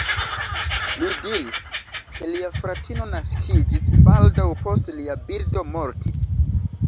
Li diris, ke lia fratino naskiĝis baldaŭ post lia birdo mortis.